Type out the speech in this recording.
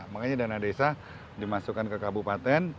makanya dana desa dimasukkan ke kabupaten